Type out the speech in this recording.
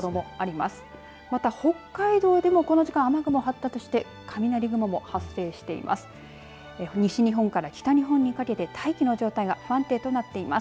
また、北海道でもこの時間雨雲も発達して雷雲発生しています。